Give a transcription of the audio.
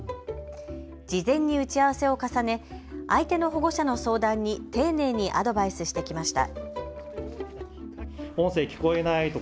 事前に打ち合わせを重ね相手の保護者の相談に丁寧にアドバイスしてきました。